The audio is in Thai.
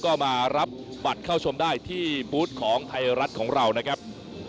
ก็มารับบัตรเข้าชมได้ที่บูธของไทยรัฐของเรานะครับ